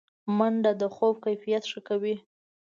منډه د خوب کیفیت ښه کوي